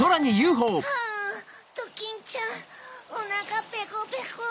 ハァドキンちゃんおなかペコペコ。